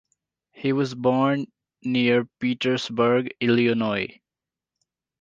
He was born near Petersburg, Illinois.